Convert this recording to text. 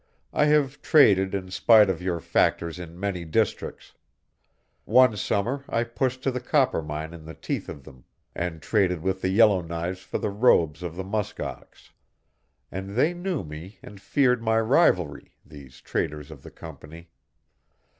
I have traded in spite of your factors in many districts. One summer I pushed to the Coppermine in the teeth of them, and traded with the Yellow Knives for the robes of the musk ox. And they knew me and feared my rivalry, these traders of the Company.